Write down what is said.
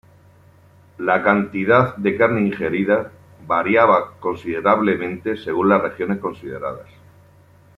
La cantidad de carne ingerida variaba considerablemente según las regiones consideradas.